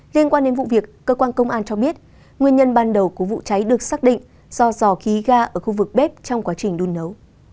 liên quan đến vụ việc cơ quan công an cho biết nguyên nhân ban đầu của vụ cháy được xác định do dò khí ga ở khu vực bếp trong quá trình đun nấu